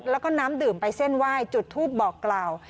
แล้วก็น้ำดื่มไปเส้นไหว้จุดทูปบอกกล่าว